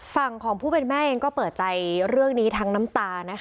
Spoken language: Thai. ฝั่งของผู้เป็นแม่เองก็เปิดใจเรื่องนี้ทั้งน้ำตานะคะ